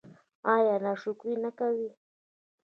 ایا ناشکري نه کوئ؟